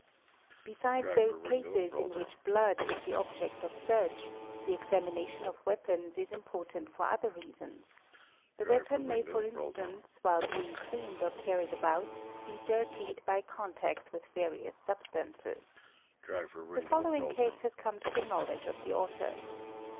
Besides those cases in which blood is the object of search the exami nation of weapons is important for other reasons; the weapon may fo STAINS ON WEAPONS AND TOOLS 209 instance while being cleaned or carried about be dirtied by contact with various substances. The following case has come to the knowledge of the author.